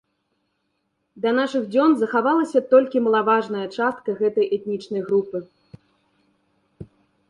Да нашых дзён захавалася толькі малаважная частка гэтай этнічнай групы.